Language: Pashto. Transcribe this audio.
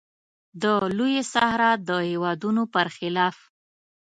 د لویې صحرا د هېوادونو پر خلاف.